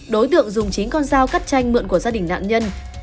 đối tượng dùng chính con dao cắt tranh mượn của gia đình nạn nhân